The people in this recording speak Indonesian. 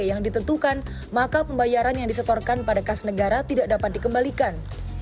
yang ditentukan maka pembayaran yang disetorkan pada kas negara tidak dapat dikembalikan